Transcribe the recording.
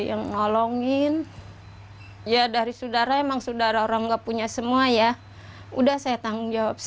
yang nolongin ya dari saudara emang saudara orang nggak punya semua ya udah saya tanggung jawab